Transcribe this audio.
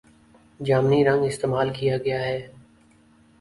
جامنی رنگ استعمال کیا گیا ہے